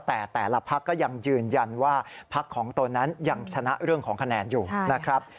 แต่แต่ละพักก็ยังยืนยันว่าพักของตนนั้นยังชนะเรื่องของคะแนนอยู่นะครับ